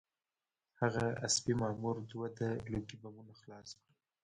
هغه عصبي مامور دوه د لوګي بمونه خلاص کړل